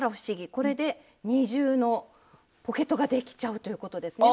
これで二重のポケットができちゃうということですね。